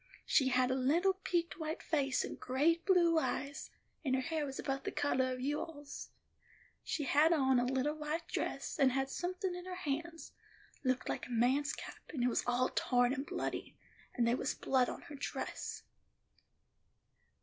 She had a little peaked white face and great blue eyes, and her hair was about the coloh of you all's. She had on a little white dress, and had somethin' in her hands—looked like a man's cap, and it was all torn and bloody; and there was blood on her dress.